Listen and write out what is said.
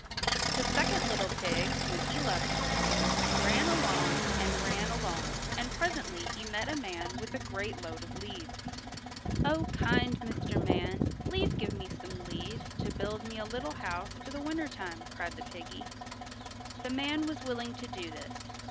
The second little pig when he left the forest ran along and ran along and presently he met a man with a great load of leaves. "Oh, kind Mr. Man, please give me some leaves to build me a little house for the winter time," cried the piggy. The man was willing to do this.